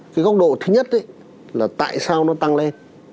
cái góc độ thứ nhất là tại sao nó tăng lên